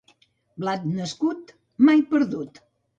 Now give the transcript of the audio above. Blat nascut, mai perdut.